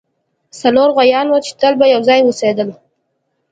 څلور غوایان وو چې تل به یو ځای اوسیدل.